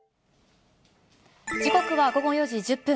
時刻は午後４時１０分。